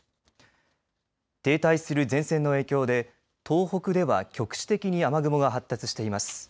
停滞する前線の影響で東北では局地的に雨雲が発達しています。